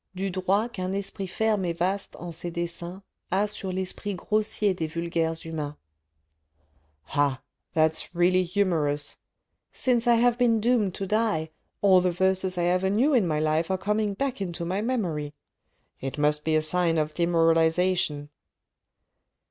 Du droit qu'un esprit ferme et vaste en ses desseins A sur l'esprit grossier des vulgaires humaines. " Ah ! that's really humorous ; since I have been doomed to die, all the verses I ever knew in my life are coming back into my memory. It must be a sign of demoralisation."